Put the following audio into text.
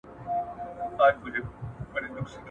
دا یوازې احساساتي خبره نه ده؛ دا د بقا خبره ده.